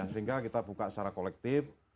sehingga kita buka secara kolektif